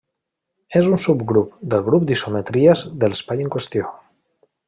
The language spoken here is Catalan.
És un subgrup del grup d'isometries de l'espai en qüestió.